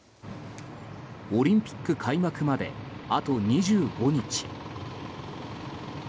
オリンピック開幕まであと２５日。